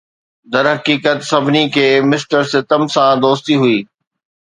درحقيقت، سڀني کي مسٽر ستم سان دوستي هئي